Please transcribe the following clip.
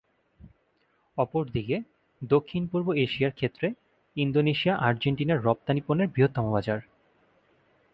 অপরদিকে দক্ষিণ-পূর্ব এশিয়ার ক্ষেত্রে ইন্দোনেশিয়া আর্জেন্টিনার রপ্তানি পণ্যের বৃহত্তম বাজার।